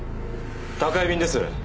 宅配便です。